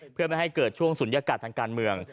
เพื่อไม่ให้เกิดช่วงศูนยากาศทางการเมือง